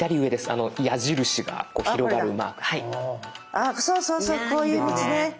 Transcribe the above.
ああそうそうそうこういう道ね。